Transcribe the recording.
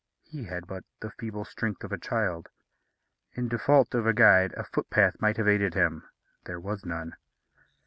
He had but the feeble strength of a child. In default of a guide, a footpath might have aided him; there was none.